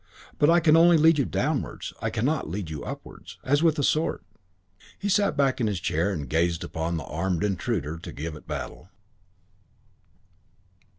"But I can only lead you downwards. I cannot lead you upwards ..." As with a sword He sat back in his chair and gazed upon this armed intruder to give it battle.